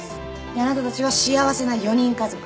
あなたたちは幸せな４人家族です。